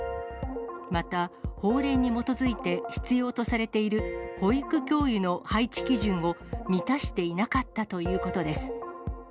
また、法令に基づいて必要とされている保育教諭の配置基準を満たしていなかったということです。